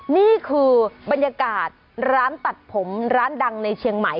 นี่คือบรรยากาศร้านตัดผมร้านดังในเชียงใหม่